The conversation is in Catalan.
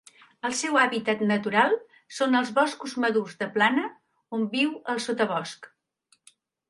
El seu hàbitat natural són els boscos madurs de plana, on viu al sotabosc.